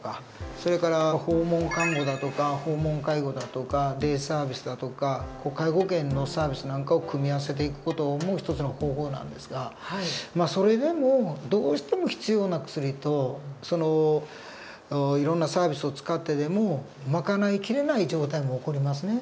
それから訪問看護だとか訪問介護だとかデイサービスだとか介護保険のサービスなんかを組み合わせていく事も一つの方法なんですがまあそれでもどうしても必要な薬といろんなサービスを使ってでもまかないきれない状態も起こりますね。